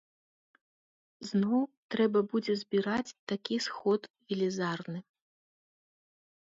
Зноў трэба будзе збіраць такі сход велізарны.